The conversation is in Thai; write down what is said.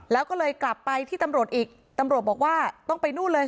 แล้วก็เลยกลับไปที่ตำรวจอีกตำรวจบอกว่าต้องไปนู่นเลย